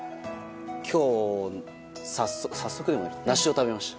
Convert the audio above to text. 今日、早速ナシを食べました。